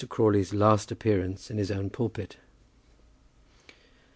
CRAWLEY'S LAST APPEARANCE IN HIS OWN PULPIT.